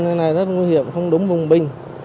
đây này rất nguy hiểm không đúng bùng binh